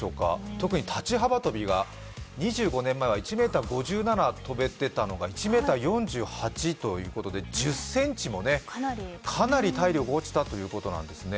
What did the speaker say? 特に立ち幅跳びが２５年前までは１ｍ５７跳べていたのが１ｍ４８ということで、１０ｃｍも、かなり体力が落ちたということなんですね。